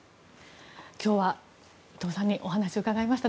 今日は伊藤さんにお話を伺いました。